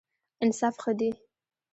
انصاف ښه دی.